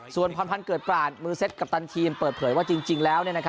ส่วนพรพันธ์เกิดปราศมือเซ็ตกัปตันทีมเปิดเผยว่าจริงแล้ว